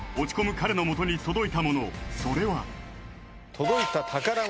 彼のもとに届いたものそれは届いた宝物